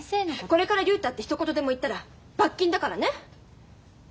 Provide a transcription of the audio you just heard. これから「竜太」ってひと言でも言ったら罰金だからね。